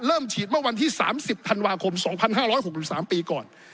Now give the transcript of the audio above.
เริ่มฉีดเมื่อวันที่๓๐ธันวาคมปีก่อน